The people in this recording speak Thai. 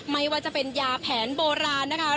ไม่ว่าจะเป็นยาแผนโบราณนะคะ